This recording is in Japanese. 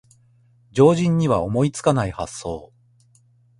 常人には思いつかない発想